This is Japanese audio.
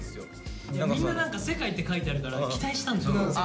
みんな何か「世界」って書いてあるから期待したんだよ。